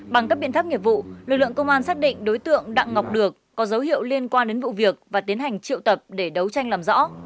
bằng các biện pháp nghiệp vụ lực lượng công an xác định đối tượng đặng ngọc được có dấu hiệu liên quan đến vụ việc và tiến hành triệu tập để đấu tranh làm rõ